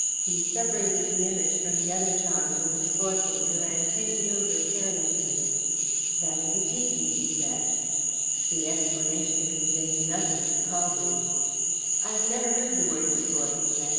He separated the image from the other charms with his forefinger, and turned it over carelessly. "That is a tiki," he said. The explanation conveyed nothing to Caldew. "I have never heard the word before," he said.